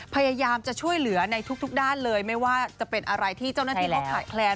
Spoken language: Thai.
พยายามจะช่วยเหลือในทุกด้านเลยไม่ว่าจะเป็นอะไรที่เจ้าหน้าที่เขาขาดแคลน